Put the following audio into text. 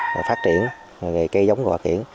và phát triển về cây giống của hòa tiển